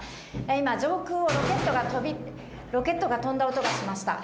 今、上空をロケットが飛んだ音がしました。